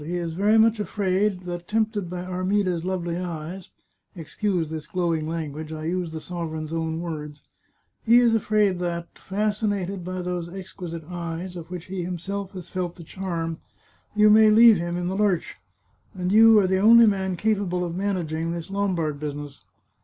He is very much afraid that, tempted by Armida's lovely eyes — excuse this glowing language, I use the sovereign's own words — he is afraid that, fascinated by those exquisite eyes, of which he himself has felt the charm, you may leave him in the lurch, and you are the only man capable of managing this Lombard business.